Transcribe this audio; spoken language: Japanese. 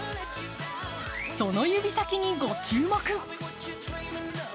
その指先にご注目。